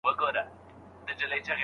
رجعي مطلقه په کومو ډولونو وېشل سوې ده؟